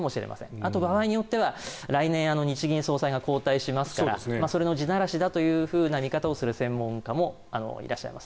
あと場合によっては来年、日銀総裁が後退しますからそれの地ならしだという見方をする専門家もいらっしゃいます。